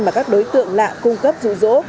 mà các đối tượng lạ cung cấp dụ dỗ